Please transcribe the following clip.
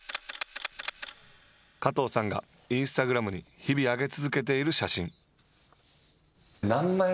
加藤さんがインスタグラムに日々上げ続けている写真。